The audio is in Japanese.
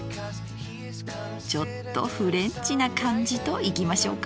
ちょっとフレンチな感じといきましょうか。